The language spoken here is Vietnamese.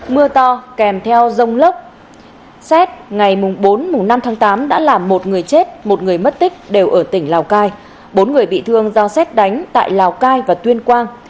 mưa to kèm theo rông lốc xét ngày bốn năm tháng tám đã làm một người chết một người mất tích đều ở tỉnh lào cai bốn người bị thương do xét đánh tại lào cai và tuyên quang